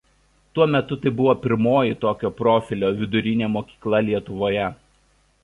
Tuo metu tai buvo pirmoji tokio profilio vidurinė mokykla Lietuvoje.